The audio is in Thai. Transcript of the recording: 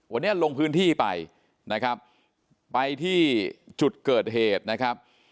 วันนี้ลงพื้นที่ไปนะครับไปที่จุดเกิดเหตุนะครับ